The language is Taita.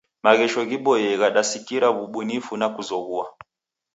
Maghesho ghiboiye ghadasindikira wubunifu na kuzoghua.